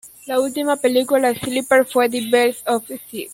La última película de Sleeper fue "The Bells of St.